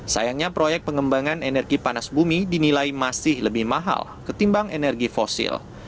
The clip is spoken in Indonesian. sayangnya proyek pengembangan energi panas bumi dinilai masih lebih mahal ketimbang energi fosil